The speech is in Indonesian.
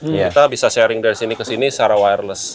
kita bisa sharing dari sini ke sini secara wireless